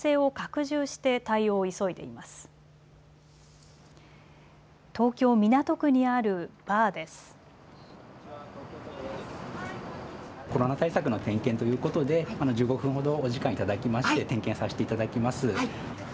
コロナ対策の点検ということで１５分ほどお時間を頂きまして点検させていただきます。